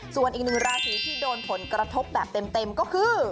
ส่วนอีกหนึ่งราศีที่โดนผลกระทบแบบเต็มก็คือ